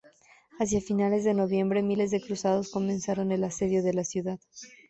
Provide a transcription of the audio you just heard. Hacia finales de noviembre, miles de cruzados comenzaron el asedio de la ciudad.